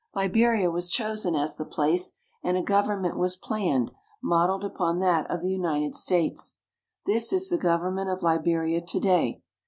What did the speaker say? Liberia was chosen as the place, and a govern ment was planned, modeled upon that of the United States, This is the government of Liberia to day.